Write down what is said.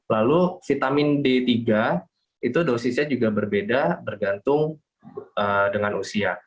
lalu vitamin d tiga itu dosisnya juga berbeda bergantung dengan usia